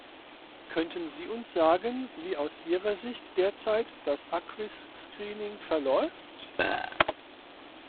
Könnten Sie uns sagen, wie aus Ihrer Sicht derzeit das acquis screening verläuft?